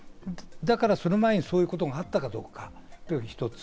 だからその前にそういうことがあったかどうかというのが１つ。